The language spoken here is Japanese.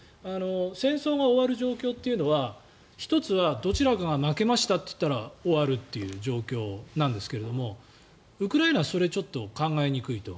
戦争が終わる状況というのは１つはどちらかが負けましたと言ったら終わるという状況なんですけどウクライナはそれ、ちょっと考えにくいと。